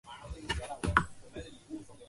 壶遂为人深中笃行。